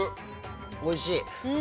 おいしい。